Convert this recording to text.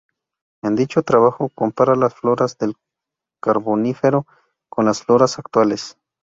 En dicho trabajo compara las floras del Carbonífero con las floras actuales.